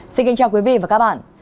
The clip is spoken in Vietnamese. xin kính chào quý vị và các bạn